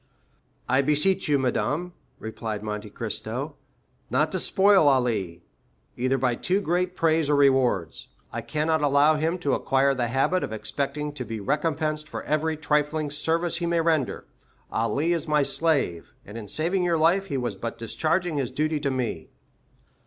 "I beseech you, madame," replied Monte Cristo "not to spoil Ali, either by too great praise or rewards. I cannot allow him to acquire the habit of expecting to be recompensed for every trifling service he may render. Ali is my slave, and in saving your life he was but discharging his duty to me."